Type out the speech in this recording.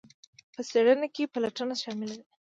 په څیړنه کې پلټنه شامله ده.